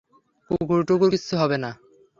কুকুর-টুকুর কিচ্ছু হবে না!